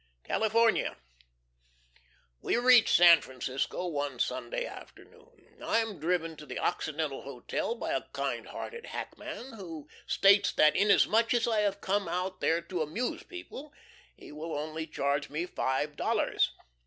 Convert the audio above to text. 4.4. CALIFORNIA. We reach San Francisco one Sunday afternoon. I am driven to the Occidental Hotel by a kind hearted hackman, who states that inasmuch as I have come out there to amuse people, he will only charge me five dollars.